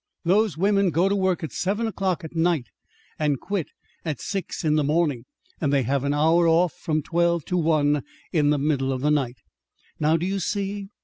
Those women go to work at seven o'clock at night, and quit at six in the morning; and they have an hour off from twelve to one in the middle of the night. "Now do you see?